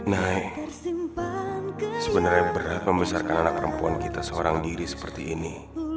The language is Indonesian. nay sebenernya berat membesarkan anak perempuan kita seorang diri seperti ini